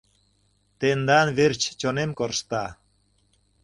Тендан верч чонем коршта.